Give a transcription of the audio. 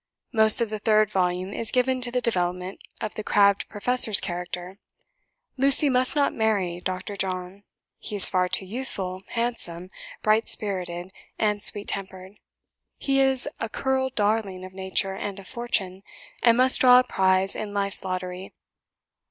Most of the third volume is given to the development of the 'crabbed Professor's' character. Lucy must not marry Dr. John; he is far too youthful, handsome, bright spirited, and sweet tempered; he is a 'curled darling' of Nature and of Fortune, and must draw a prize in life's lottery.